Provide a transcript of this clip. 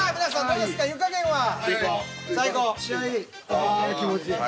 ああ気持ちいい。